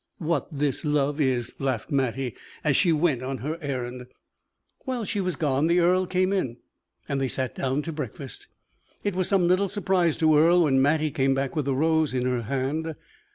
"What this love is!" laughed Mattie, as she went on her errand. While she was gone the earl came in, and they sat down to breakfast. It was some little surprise to Earle when Mattie came back with the rose in her hand.